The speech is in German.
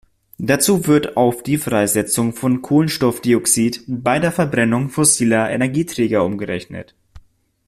Dazu wird auf die Freisetzung von Kohlenstoffdioxid bei der Verbrennung fossiler Energieträger umgerechnet.